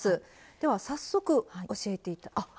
では早速教えてあっ。